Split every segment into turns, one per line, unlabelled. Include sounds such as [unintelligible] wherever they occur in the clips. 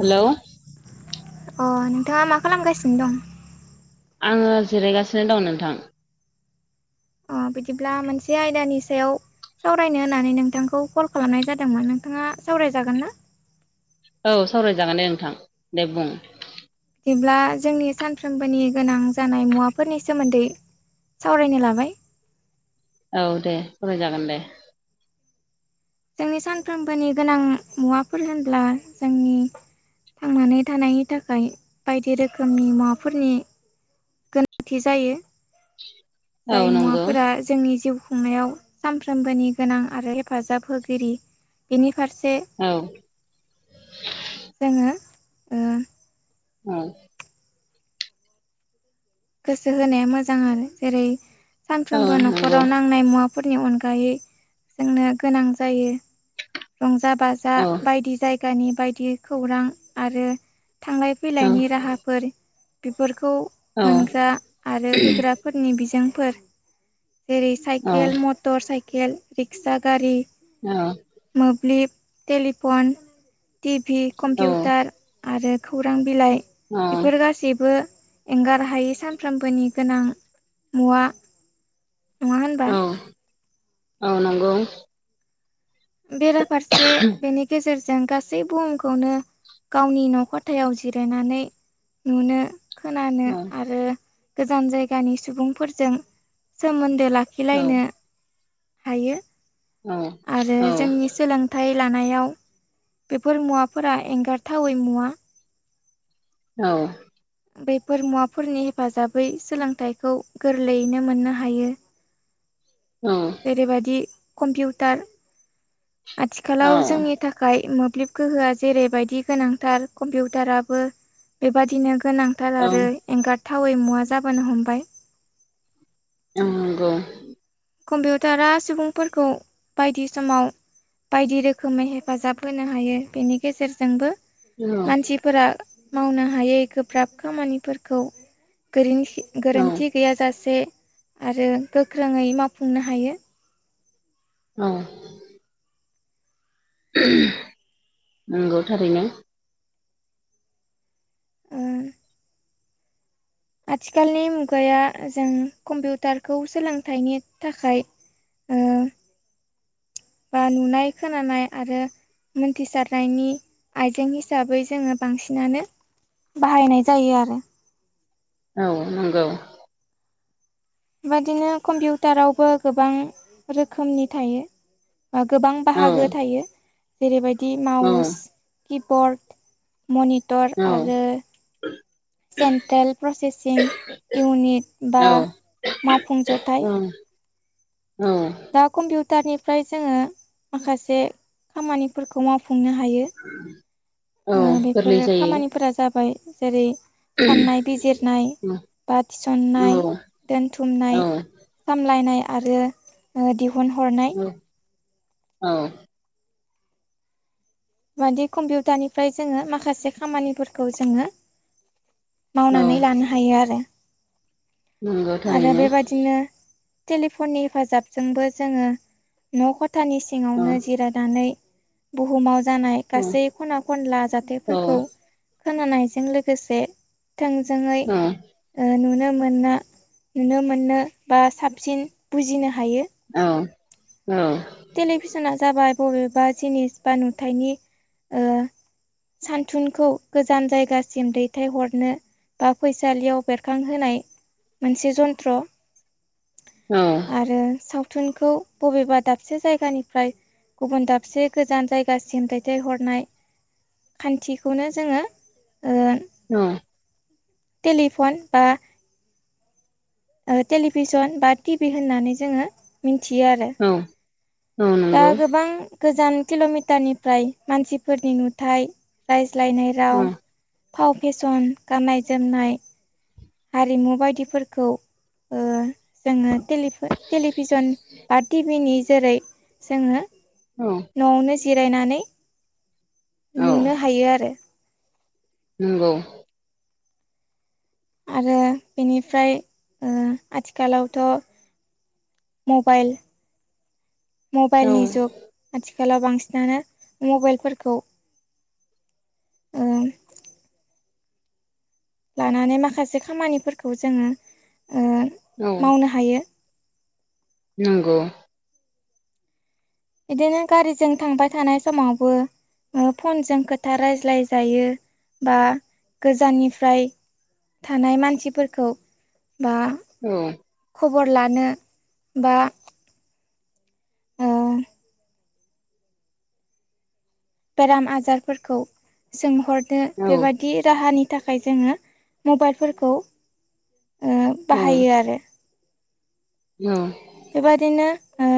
Hello.
अ नोंथाङा मा खालामगासिनो दं?
आङो जिरायगासिनो दं नोंथां।
अ बिदिब्ला मोनसे आयदानि सायाव सावरायनो होननानै नोंथांखौ कल खालामनाय जादोंमोन। नोंथाङा सावरायजागोन ना?
औ सावरायजागोन दे नोंथां दे बुं।
दिब्ला जोंनि सानफ्रोमबोनि गोनां जानाय मुवाफोरनि सोमोन्दै सावरायनो लाबाय।
औ दे सावराय जागोन दे।
जोंनि सानफ्रोमबोनि गोनां मुवाफोर होनब्ला जोंनि थांनानै थानायनि थाखाय बायदि रोखोमनि मुवाफोरनि गोनांथि जायो।
औ
जाय
नंगौ
मुवाफोरा जोंनि जिउ खुंनायाव सानफ्रोमबोनि गोनां आरो हेफाजाब होगोन‌। गिरि बेनि फारसे
औ।
जोङो ओ
उम।
गोसो होनाया मोजां आरो जेरै
औ
सानफ्रोमबो न'खराव
नंगौ
नांनाय मुवा फोरनि अनगायै जोंनो गोनां जायो रंजा बाजा
औ
जा बायदि जायगानि बायदि खौरां आरो थांलाय
औ
फैलायनि राहाफोर बिफोरखौ
औ
मोनग्रा आरो होग्रा फोरनि बिजोंफोर। जेरै
औ
साइकेल मट - मटर, साइकेल, रिक्सा, गारि
ओ।
मोब्लिब, टेलिफन, टिभि, कम्पिउटार आरो खौरां बिलाइ
औ
बेफोर गासैबो एंगार हा - हायै सानफ्रामबोनि गोनां मुवा। नङा होनबा
औ [inaudible] औ नंगौ।
बेराफारसे बेनि गेजेर जों गासै बुहुमखौनो गावनि न' खथायाव जिरायनानै नुनो खोनानो
औ
आरो गोजान जायगानि सुबुंफोरजों सोमोन्दो ला
औ औ
खिलायनो [inaudible] हायो।
उम।
आरो जोंनि सोलोंथाइ लानायाव बेफोर मुवाफोरा एंगारथावै मुवा।
औ।
बेफोर मुवाफोरनि हेफाजाबै सोलोंथाइखौ गोरलैयैनो मोननो हायो।
औ।
जेरैबादि कम्पिउटार
औ
आथिखालाव जोंनि थाख खाय मोब्लिब गोहोआ जेरैबायदि गोनांथार। कम्पिउटाराबो बेबादिनो गोनांथार आरो
नंगौ
एंगारथावै मुवा जाबोनो हमबाय।
उम नंगौ।
कम्पिउटारा सुबुंफोरखौ बायदि समाव बायदि रोखोमै हेफाजाब होनो हायो। बेनि गेजेरजोंबो
औ
मानसिफोरा मावनो हायै गोब्राब खामानिफोरखौ गोरोन
औ
गोरोन्थि गैयाजासे आरो गोख्रोङै मावफुंनो हायो।
ओं। उहुम नंगौ थारैनो।
[unintelligible] आथिखालनि मुगाया जों कम्पिउटारखौ सोलोंथाइनि थाखाय ओ बा नुनाय खोनानाय आरो मोनथिसारनायनि आइजें हिसाबै जोङो बांसिनानो बाहायनाय जायो आरो
औ नंगौ
बेबादिनो कम्पिउटारावबो गोबां रोखोमनि थायो गोबां
औ
बाहागो थायो जेरैबायदि
औ
माउस किबर्ड मनिटर आरो सेन्ट्रेल प्रसेसिं इउनिट बा
औ
मावफुं
औ
जथाइ
औ
दा कम्पिउटारनिफ्राय जोङो माखासे खामानिफोरखौ मावफुंनो हायो
उ
बेफोर खामानिफोरा जाबाय जेरै साननाय बिजिरनाय बा
औ
थिसननाय दोनथुमनाय सामलायनाय आरो दिहुन हरनाय
औ औ
मादि कम्पिउटारनिफ्राय जोङो माखासे खामानिफोरखौ जोङो
औ
मावनानै लानो हायो आरो
नंगौ
आरो
थारैनो
बेबादिनो टेलिफननि हेफाजाबजोंबो जोङो न' खथानि
औ
सिङावनो जिरायनानै बुहुमाव जानाय
औ
गासै खना खनला
औ
जाथायफोरखौ खोनानायजों लोगोसे थोंजोङै
औ
नुनो मोना नुनो मोनो बा साबसिन बुजिनो हायो
औ औ
टेलिभिसना जाबाय बबेबा जिनिस बा नुथाइनि सानथुनखौ गोजान जायगासिम दैथायहरनो बा फैसालियाव बेरखांहोनाय मोनसे जन्त्र
औ
आरो सावथुनखौ बबेबा दाब दाबसे जायगानिफ्राय गुबुन दाबसे गोजान जायगासिम दैथायहरनाय खान्थिखौनो जोङो ओ
औ
टेलिफन बा टेलिभिसन बा टिभि होननानै जोङो मिथियो आरो
औ औ
दा
नंगौ
गोबां गोजान किल'मिटारनिफ्राय मानसिफोरनि नुथाइ रायज्लायनाय
औ
राव फाव फेसन गाननाय जोमनाय हारिमु बायदिफोरखौ जोङो टेलिभिसन बा टिभिनि जेरै जोङो
औ
न'आवनो जिरायनानै
औ
नुनो हायो आरो
नंगौ
आरो बेनिफ्राय आथिखालावथ' मबाइल
औ
मबाइलनि जुग आथिखालाव बांसिनानो मबाइलफोरखौ ओ लानानै माखासे खामानिफोरखौ जोङो मावनो हायो
नंगौ
इदिनो गारिजों थांबाय थानाय समावबो फनजों खोथा रायज्लायजायो बा गोजाननिफ्राय थानाय मानसिफोरखौ बा
औ
खबर लानो बा ओ बेराम आजारफोरखौ सोंहरनो
औ औ
बेबाय दि राहानि थाखाय जोङो मबाइलफोरखौ ओ बाहायो आरो।
औ
बेबायदिनो ओ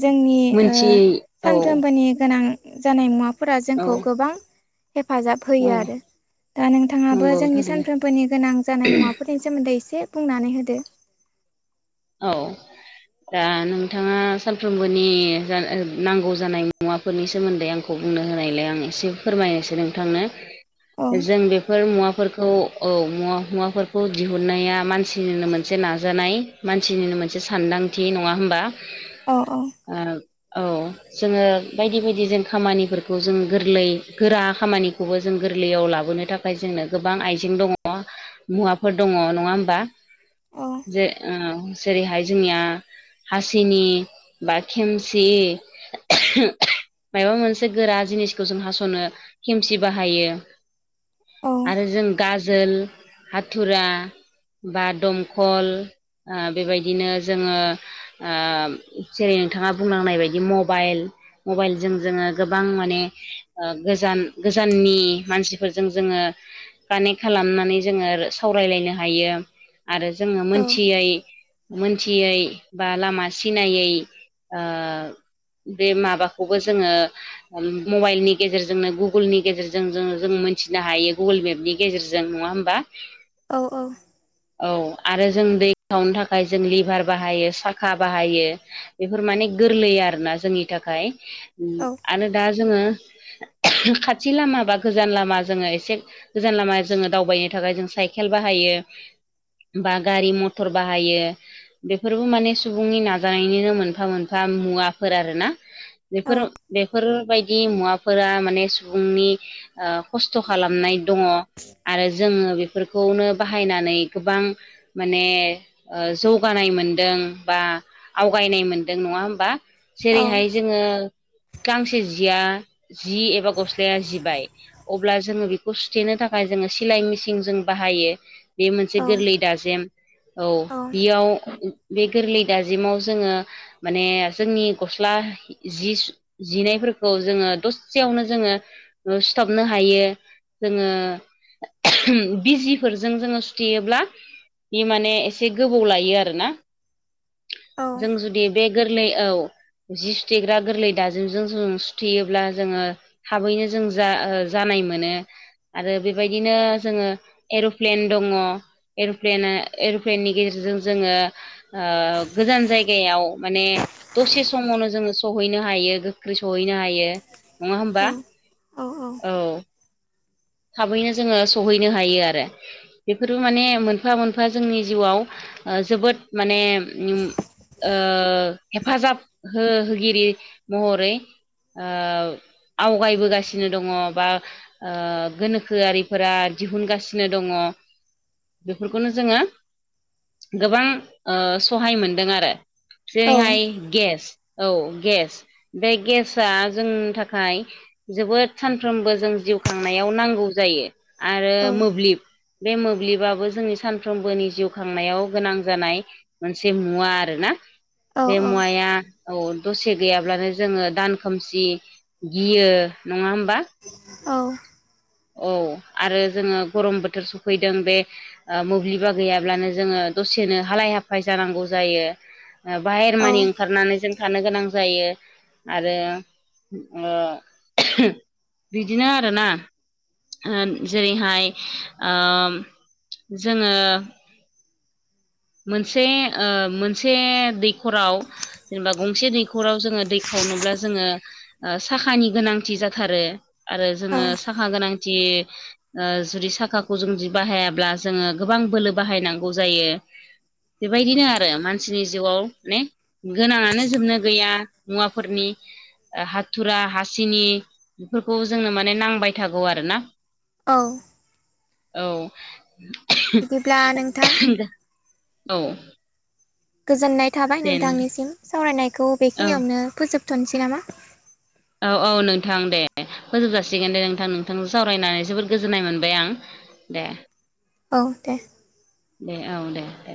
जोंनि ओ
मोनथियै औ
सानफ्रोमबोनि गोनां जानाय मुवाफोरा
औ
जोंखौ गोबां हेफाजाब
औ
होयो आरो दा नोंथाङाबो
नंगौ
जोंनि
थारैनो
सानफ्रोमबोनि गोनां जानाय मुवा फोरनि सोमोन्दै एसे बुंनानै होदो
औ दा नोंथाङा सानफ्रोमबोनि नांगौ जानाय मुवा फोरनि सोमोन्दै आंखौ बुंनो होनायलाय आं एसे फोरमायनोसै नोंथांनो
औ
जों बेफोर मुवाफोरखौ औ मुवा मुवाफोरखौ दिहुननाया मानसिनिनो मोनसे नाजानाय। मानसिनिनो मोनसे सानदांथि नङा होमबा?
अह अह
ओ औ जोङो बायदि बायदि जों खामानिफोरखौ जों गोरलै गोरा खामानिखौबो जों गोरलैयाव लाबोनो थाखाय ओमफ्राय जोंनो गोबां आइजें दङ मुवाफोर दङ नङा होमबा जे ओं जेरैहाय जोंनिया हासिनि बा खेमसि माबा मोनसे गोरा जिनिसखौ जों हास'नो खेमसि बाहायो।
औ
आरो जों गाजोल हाथुरा बा दमखल ओ बेबायदिनो जोङो ओ जेरै नोंथाङा बुंलांनाय बायदि मबाइल मबाइलजों जोङो गोबां माने गोजान गोजाननि मानसिफोरजों जोङो कानेक्ट खालामनानै जोङो सावरायलायनो हायो आरो जोङो
औ
मोन मोनथियै बा लामा सिनायै ओ बे माबाखौबो जोङो मबाइलनि गेजेरजोंनो गुगोलनि गेजेरजों जोङो जों मिन्थिनो हायो गुगोल मेपनि गेजेरजों नङा होमबा
औ औ
औ आरो जों दै खावनो थाखाय जों लिभार बाहायो साखा बाहायो। बेफोर माने गोरलै आरोना जोंनि थाखाय
औ
आरो दा जोङो खाथि लामा बा गोजान लामा जोङो एसे गोजान लामा जोङो दावबायनो थाखाय जों साइकेल बाहायो बा गारि मथर बाहायो। बेफोरबो माने सुबुंनि नाजानायनिनो मोनफा मोनफा मुवाफोर आरो ना बेफोर
औ
बेफोरबायदि मुवाफोरा माने सुबुंनि ओ खस्थ' खालामनाय दङ आरो जोङो बेफोर खौनो बाहायनानै गोबां माने जौगानाय मोनदों बा आवगायनाय मोनदों नङा होमबा?
औ
जेरैहाय जोङो गांसे जिया जि एबा गस्लाया जिबाय अब्ला जोङो बेखौ सुथेनो थाखाय जोङो सिलाय मेसिन जों बाहायो। बे मोनसे
औ
गोरलै दाजेम। औ बियाव बे गोरलै दाजिमाव जोङो माने जोंनि गस्ला जि जिनायफोरखौ जोङो दसेयावनो जोङो सिुथाबनो हायो जोङो ओहम बिजिफोरजों जोङो सुथेयोब्ला बि माने एसे गोबाव लायो आरो ना?
औ
जों जुदि बे गोरलै औ जि सुथेग्रा गोरलै दाजुजों जों सुथेयोब्ला जोङो थाबैनो जों जा ओ जानाय मोनो। आरो बेबायदिनो जोङो एर'प्लेन दङ। प्लेन एर'प्लेननि गेजेरजों जोङो गोजान ओ जायगायाव माने दसे समावनो जोङो सहैनो हायो गोख्रै सहैनो हायो। नङा होमबा औ। थाबैनो जोङो सहैनो हायो आरो। बेफोरबो माने मोनफा मोनफा जोंनि जिउआव ओ जोबोद माने उम ओ हेफाजाब हो-होगिरि महरै ओ आवगायबोगासिनो दङ बा ओ गोनोखोआरिफोरा दिहुनगासिनो दङ बेफोरखौनो जोङो गोबां ओ सहाय मोनदों आरो जेरैहाय गेस औ गेस। बे गेसाआ जोंनि थाखाय जोबोद सानफ्रोमबो जों जिउ खांनाय नांगौ जायो आरो मोब्लिब बे मोब्लिबाबो जोंनि सानफ्रोमबोनि जिउ खांनायाव गोनां जानाय मोनसे मुवा आरो ना बे मुवाया औ दसे गैयाब्लानो जोङो दान खोमसि गियो नङा होमबा?
औ।
औ आरो जोङो गरम बोथोर सफैदों बे ओ मोब्लिबा गैयाब्लानो जोङो दसेनो हालाय हाफाय जानांगौ जायो। बाहेर मानि ओंखारनानै जों थानो गोनां जायो। आरो ओ ओहो बिदिनो आरोना? जेरैहाय ओ जोङो मोनसे ओ मोनसे दैखराव जेनेबा गंसे दैखराव जोङो दै खावनोब्ला जोङो ओ साखानि गोनांथि जाथारो आरो
औ
जोङो साखा गोनांथि ओ जुदि साखाखौ जोंदि बाहायाब्ला जोङो गोबां बोलो बाहायनांगौ जायो। बेबायदिनो आरो मानसिनि जिउआव नेे गोनाङानो जोबनो गैया मुवाफोरनि हाथुरा हासिनि बेफोरखौ जोंनो माने नांबाय थागौ आरोना।
औ।
औ।
बिदिब्ला नोंथां?
औ।
गोजोननाय थाबाय
दे नोंथां
नोंथांनिसिम सावरायनायखौ
औ
बेखिनियावनो फोजोबथ'नोसै नामा?
औ औ नोंथां दे फोजोबजासिगोन दे नोंथां नोंथांजों सावरायनानै जोबोद गोजोननाय मोनबाय आं। दे।
औ दे।
दे औ दे दे।